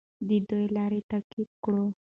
د دوی لار تعقیب کړو.